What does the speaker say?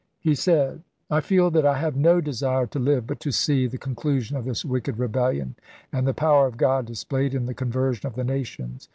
He said : I feel that I have no desire to live but to see the con clusion of this wicked rebellion and the power of God displayed in the conversion of the nations.